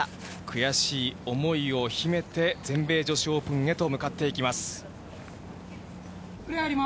悔しい思いを秘めて、全米女子オープンへと向かっていきます。